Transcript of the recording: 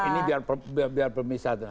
dengar dulu dengar dulu ini biar pemisah